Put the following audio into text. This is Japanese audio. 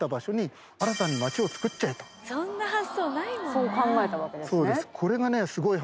そう考えたわけですね。